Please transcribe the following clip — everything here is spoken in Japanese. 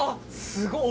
すごい！